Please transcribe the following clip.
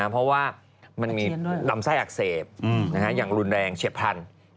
เพราะว่ามันมีลำไส้อักเสบอย่างรุนแรงเฉียบพลัน